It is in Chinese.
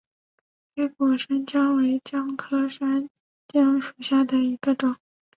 黑果山姜为姜科山姜属下的一个种。